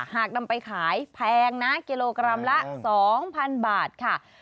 หากนำไปขายแพงนะกิโลกรัมละ๒๐๐๐บาทค่ะ